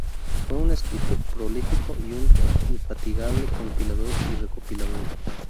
Fue un escritor prolífico y un infatigable compilador y recopilador.